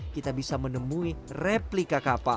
kita bisa menemui replika kapal